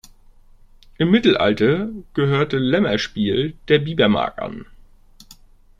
Im Mittelalter gehörte Lämmerspiel der Biebermark an.